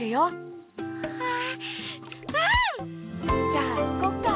じゃあいこっか？